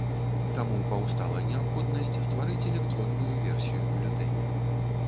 Таму паўстала неабходнасць стварыць электронную версію бюлетэня.